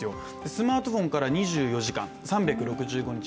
スマートフォンから２４時間３６５日